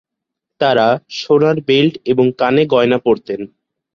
তারা সোনার বেল্ট এবং কানে গয়না পরতেন।